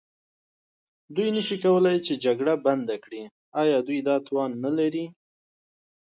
دوی نه شي کولای چې جګړه بنده کړي، ایا دوی دا توان نه لري؟